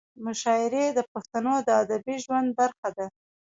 مشاعرې د پښتنو د ادبي ژوند برخه ده.